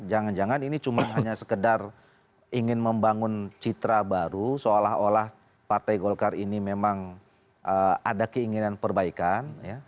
jangan jangan ini cuma hanya sekedar ingin membangun citra baru seolah olah partai golkar ini memang ada keinginan perbaikan